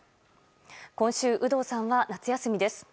今週、有働さんは夏休みです。